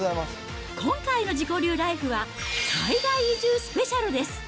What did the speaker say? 今回の自己流ライフは、海外移住スペシャルです。